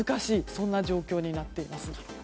そんな状況になっています。